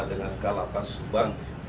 dengan kala pas subang